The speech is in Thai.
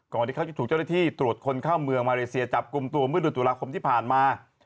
ที่เขาจะถูกเจ้าหน้าที่ตรวจคนเข้าเมืองมาเลเซียจับกลุ่มตัวเมื่อเดือนตุลาคมที่ผ่านมา